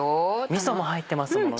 みそも入ってますものね。